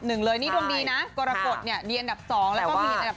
ซึ่งดวงดีนะกฎกฎดีอันดับ๒